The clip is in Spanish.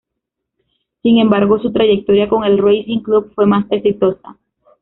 Sin embargo, su trayectoria con el Racing Club fue más exitosa.